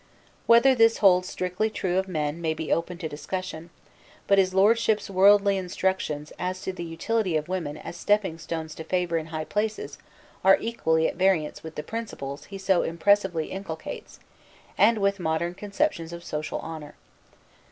Whether this holds strictly true of men may be open to discussion, but his lordship's worldly instructions as to the utility of women as stepping stones to favor in high places are equally at variance with the principles he so impressively inculcates and with modern conceptions of social honor.